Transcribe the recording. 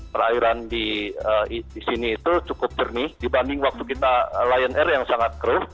perairan di sini itu cukup jernih dibanding waktu kita lion air yang sangat crew